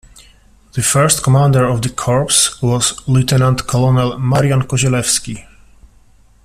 The first commander of the Corps was Lieutenant Colonel Marian Kozielewski.